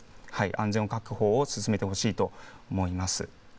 安全確保を進めてほしいと思います。